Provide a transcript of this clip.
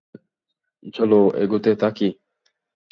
চলো, এগুতে থাকি!